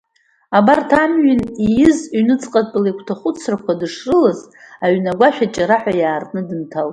Абарҭ амҩан ииз ҩнуҵҟалатәи агәҭахәыцрақәа дышрылаз аҩны агәашә аҷараҳәа иаартны дынҭалеит.